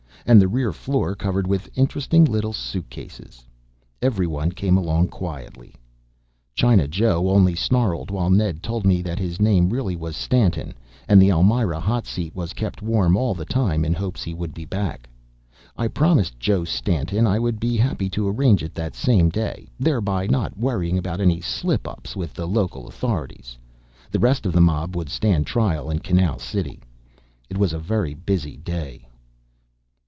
And the rear floor covered with interesting little suitcases. Everyone came along quietly. China Joe only snarled while Ned told me that his name really was Stantin and the Elmira hot seat was kept warm all the time in hopes he would be back. I promised Joe Stantin I would be happy to arrange it that same day. Thereby not worrying about any slip ups with the local authorities. The rest of the mob would stand trial in Canal City. It was a very busy day.